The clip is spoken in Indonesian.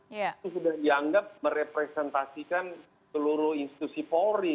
itu sudah dianggap merepresentasikan seluruh institusi polri